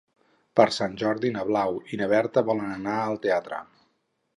Per Sant Jordi na Blau i na Berta volen anar al teatre.